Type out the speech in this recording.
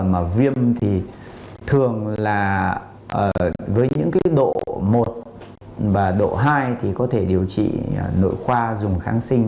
mà viêm thì thường là với những cái độ một và độ hai thì có thể điều trị nội khoa dùng kháng sinh